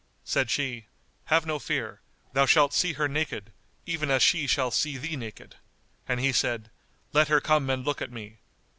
Said she, "Have no fear; thou shalt see her naked, even as she shall see thee naked;" and he said, "Let her come and look at me.